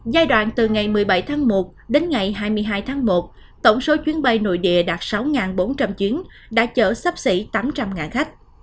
giai đoạn từ ngày một mươi bảy tháng một đến ngày hai mươi hai tháng một tổng số chuyến bay nội địa đạt sáu bốn trăm linh chuyến đã chở sắp xỉ tám trăm linh khách